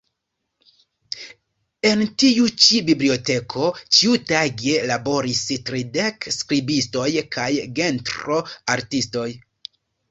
En tiu ĉi biblioteko ĉiutage laboris tridek skribistoj kaj gentro-artistoj.